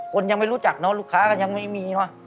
คนยังไม่รู้จักเนอะลูกค้าก็ยังไม่มีว่ะ